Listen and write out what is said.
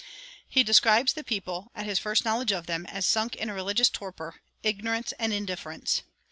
He describes the people, at his first knowledge of them, as sunk in a religious torpor, ignorance, and indifference.